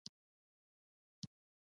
نور اروپايي قدرتونه به ګټه واخلي.